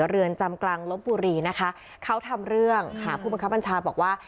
เรือนจำกลางลบบุรีนะคะเขาทำเรื่องหาผู้บังคับบัญชาบอกว่า